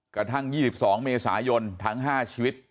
กระทั่ง๒๒เมษายนทั้ง๕ชีวิต